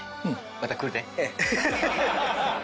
また来るで。